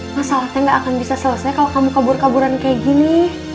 masalahnya gak akan bisa selesai kalau kamu kabur kaburan kayak gini